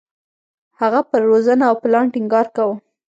هغه پر روزنه او پلان ټینګار کاوه.